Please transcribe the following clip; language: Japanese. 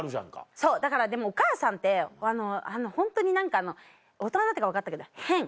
そうだからでもお母さんってホントに何かあの大人になってから分かったけど変。